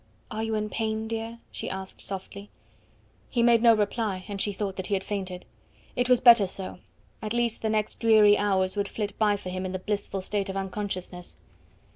"Are you in pain, dear?" she asked softly. He made no reply, and she thought that he had fainted. It was better so; at least the next dreary hours would flit by for him in the blissful state of unconsciousness.